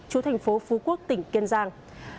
chú thành phố phú quốc tỉnh kiên giang